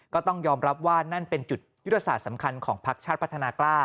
ก็ต้องยอมรับว่านั่นเป็นจุดยุทธศาสตร์สำคัญของพักชาติพัฒนากล้า